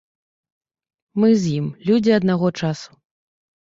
Мы з ім людзі аднаго часу.